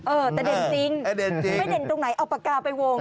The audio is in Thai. เออแต่เด่นจริงไม่เด่นตรงไหนเอาปากกาไปวง